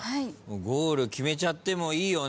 ゴール決めちゃってもいいよね。